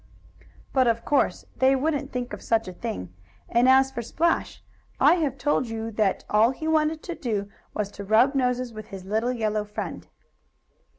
But of course they wouldn't think of such a thing, and as for Splash, I have told you that all he wanted to do was to rub noses with his little yellow friend.